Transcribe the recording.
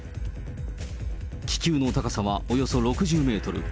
気球の高さはおよそ６０メートル。